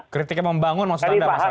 kritiknya membangun maksud anda mas andri